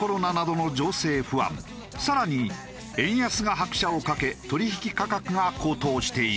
更に円安が拍車をかけ取引価格が高騰している。